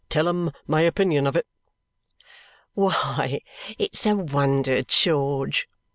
"Tell him my opinion of it." "Why, it's a wonder, George!"